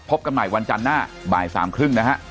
พบกันใหม่วันจันทร์หน้าบ่ายสามครึ่งนะฮะ